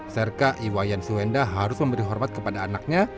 serka iwayan suhenda harus memberi hormat kepada anaknya